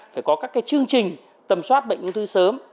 phải có các chương trình tầm soát bệnh ung thư sớm